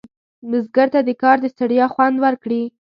بزګر ته د کار د ستړیا خوند ورکړي